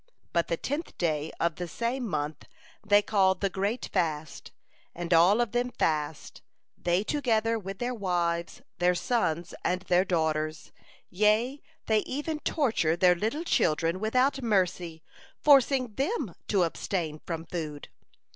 But the tenth day of the same month they call the Great Fast, and all of them fast, they together with their wives, their sons, and their daughters, yea, they even torture their little children without mercy, forcing them to abstain from food.